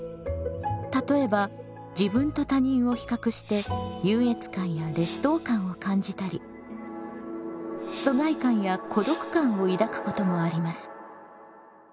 例えば自分と他人を比較して優越感や劣等感を感じたり疎外感や孤独感を抱くこともあります。